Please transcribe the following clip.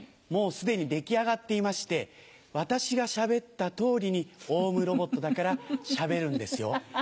もうすでに出来上がっていまして私がしゃべった通りにオウムロボットだからしゃべるんですよ。